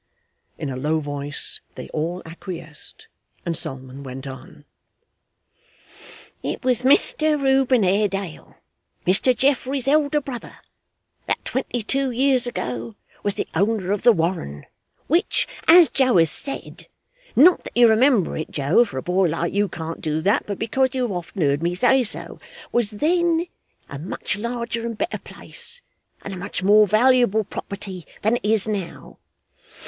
In a low voice they all acquiesced, and Solomon went on: 'It was Mr Reuben Haredale, Mr Geoffrey's elder brother, that twenty two years ago was the owner of the Warren, which, as Joe has said not that you remember it, Joe, for a boy like you can't do that, but because you have often heard me say so was then a much larger and better place, and a much more valuable property than it is now.